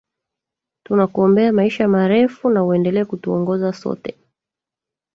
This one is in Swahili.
tunakuombea maisha marefu na uendelee kutuongoza sote